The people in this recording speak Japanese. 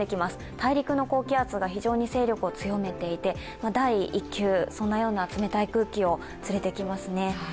大陸の高気圧が非常に勢力を強めていて、第一級の冷たい空気を連れてきますね。